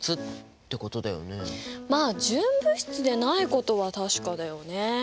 まあ純物質でないことは確かだよね。